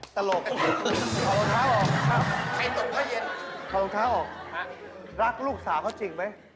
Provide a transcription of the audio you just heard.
ตลกผ่องเท้าออกรักลูกสาวเขาจริงไหม